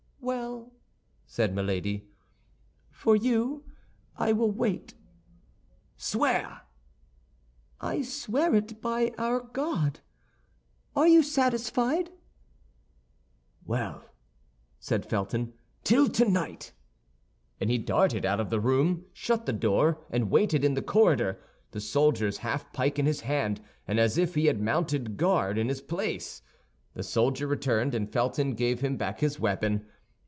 "Well," said Milady, "for you I will wait." "Swear." "I swear it, by our God. Are you satisfied?" "Well," said Felton, "till tonight." And he darted out of the room, shut the door, and waited in the corridor, the soldier's half pike in his hand, and as if he had mounted guard in his place. The soldier returned, and Felton gave him back his weapon.